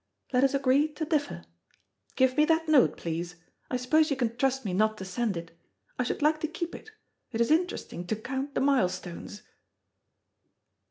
Let us agree to differ. Give me that note, please. I suppose you can trust me not to send it. I should like to keep it. It is interesting to count the milestones."